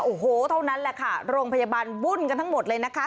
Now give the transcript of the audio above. โอ้โหเท่านั้นแหละค่ะโรงพยาบาลวุ่นกันทั้งหมดเลยนะคะ